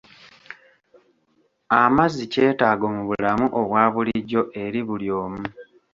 Amazzi kyetaago mu bulamu obwa bulijjo eri buli omu.